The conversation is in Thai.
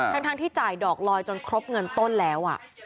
ทั้งที่จ่ายดอกลอยจนครบเงินต้นแล้ว